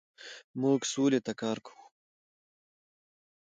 موږ سولې ته کار کوو.